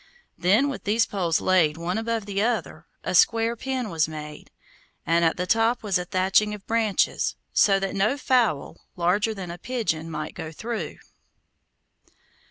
Then, with these poles laid one above the other, a square pen was made, and at the top was a thatching of branches, so that no fowl larger than a pigeon might go through.